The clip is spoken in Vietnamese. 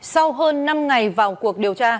sau hơn năm ngày vào cuộc điều tra